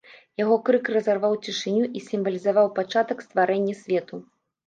Яго крык разарваў цішыню і сімвалізаваў пачатак стварэння свету.